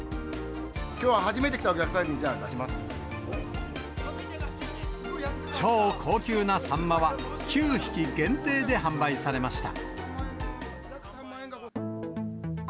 きょう初めて来たお客さんに、超高級なサンマは、９匹限定で販売されました。